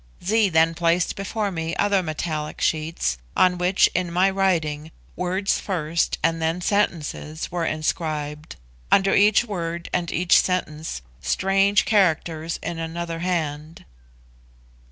Zee then placed before me other metallic sheets, on which, in my writing, words first, and then sentences, were inscribed. Under each word and each sentence strange characters in another hand.